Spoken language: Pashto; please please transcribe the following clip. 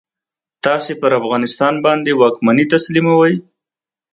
تاسې پر افغانستان باندي واکمني تسلیموي.